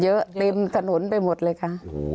เต็มถนนไปหมดเลยค่ะ